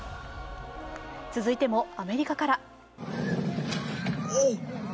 続いても、アメリカから。